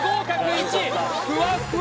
１ふわっふわ